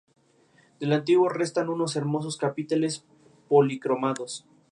El tratamiento de prisioneros en la Primera Guerra Carlista así fue regulado.